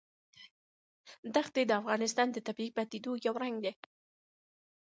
دښتې د افغانستان د طبیعي پدیدو یو رنګ دی.